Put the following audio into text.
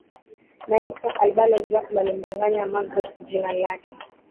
Naitwa Albalo Jacob alimdanganya magreth jina lake